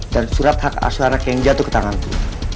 dan surat hak aslar yang jatuh ke tanganku